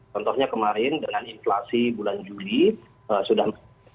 contohnya kemarin dengan inflasi bulan juli sudah empat sembilan